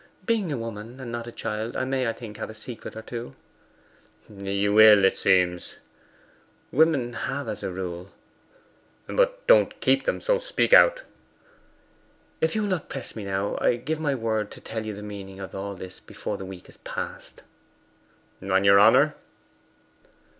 'Being a woman, and not a child, I may, I think, have a secret or two.' 'You will, it seems.' 'Women have, as a rule.' 'But don't keep them. So speak out.' 'If you will not press me now, I give my word to tell you the meaning of all this before the week is past.' 'On your honour?